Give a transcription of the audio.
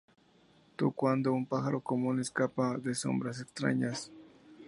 Tu cuando -un pájaro común escapa de sombras extrañas.